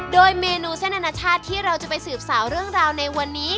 โดยเมนูเส้นอนาชาติที่เราจะไปสืบสาวเรื่องราวในวันนี้